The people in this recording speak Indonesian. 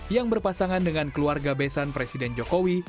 yang berpasangan dengan keluarga besan presiden jokowi